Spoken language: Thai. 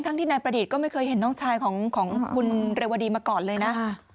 ที่นายประดิษฐ์ก็ไม่เคยเห็นน้องชายของคุณเรวดีมาก่อนเลยนะ